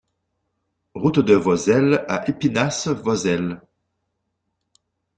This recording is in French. Route de Vozelle à Espinasse-Vozelle